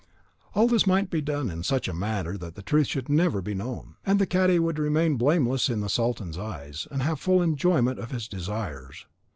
All this might be done in such a manner that the truth should never be known, and the cadi would remain blameless in the sultan's eyes, and have the full enjoyment of his desires.